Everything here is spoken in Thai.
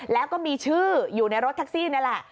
แล้วก็มีชื่ออยู่ในรถแท็กซี่นี่แหละ